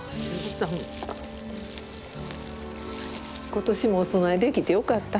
今年もお供えできてよかった。